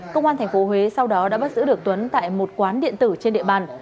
công an tp huế sau đó đã bắt giữ được tuấn tại một quán điện tử trên địa bàn